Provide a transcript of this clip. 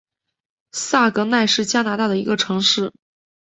萨格奈是加拿大的一个城市。